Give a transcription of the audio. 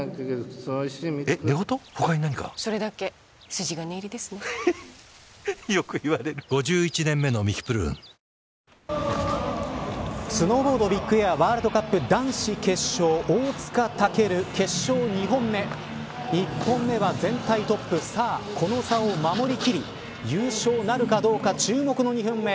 新「アタックＺＥＲＯ」スノーボード・ビッグエアワールドカップ男子決勝大塚健、決勝２本目１本目は全体トップさあ、この差を守り切り優勝なるかどうか注目の２本目。